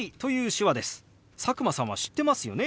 佐久間さんは知ってますよね。